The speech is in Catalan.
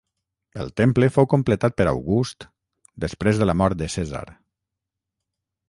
El temple fou completat per August, després de la mort de Cèsar.